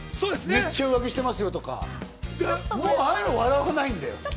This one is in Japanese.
めっちゃ浮気してますよとか、もう、ああいうのは笑わない。